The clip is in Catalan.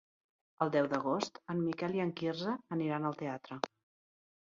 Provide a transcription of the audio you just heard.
El deu d'agost en Miquel i en Quirze aniran al teatre.